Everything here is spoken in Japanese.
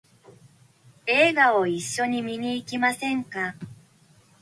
映画を一緒に見に行きませんか？